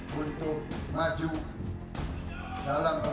kita juga rama rama